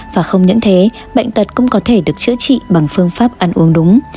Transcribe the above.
và không những thế bệnh tật cũng có thể được chữa trị bằng phương pháp ăn uống đúng